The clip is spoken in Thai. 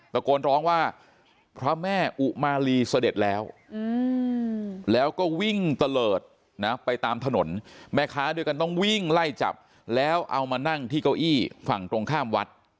ตะโกนร้องว่าพระแม่อุมาลีเสด็จแล้วแล้วก็วิ่งตะเลิศนะไปตามถนนแม่ค้าด้วยกันต้องวิ่งไล่จับแล้วเอามานั่งที่เก้าอี้ฝั่งตรงข้ามวัด